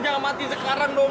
jangan mati sekarang dong